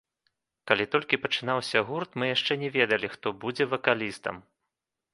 Калі толькі пачынаўся гурт, мы яшчэ не ведалі, хто будзе вакалістам.